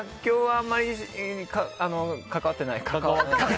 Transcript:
あまり関わってない。